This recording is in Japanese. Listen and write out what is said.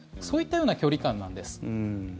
そういったような距離感なんです。